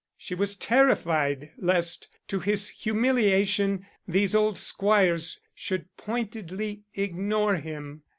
She was terrified lest, to his humiliation, those old squires should pointedly ignore him.